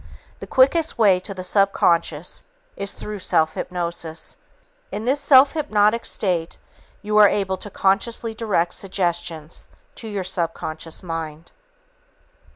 The quickest way to the subconscious is through self hypnosis. In this self hypnotic state, you are able to consciously direct suggestions to your subconscious mind.